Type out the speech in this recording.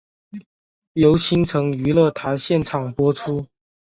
由新城娱乐台现场播出。